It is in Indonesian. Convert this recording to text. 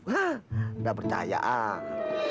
hah gak percaya ah